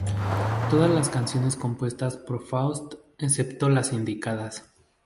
Todas las canciones compuestas por Faust, excepto las indicadas.